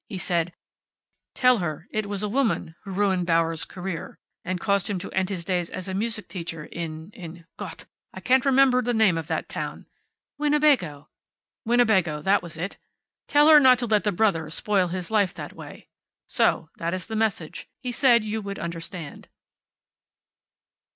He said, `Tell her it was a woman who ruined Bauer's career, and caused him to end his days a music teacher in in Gott! I can't remember the name of that town " "Winnebago." "Winnebago. That was it. `Tell her not to let the brother spoil his life that way.' So. That is the message. He said you would understand."